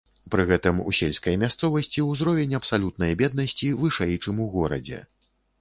Пры гэтым у сельскай мясцовасці ўзровень абсалютнай беднасці вышэй, чым у горадзе.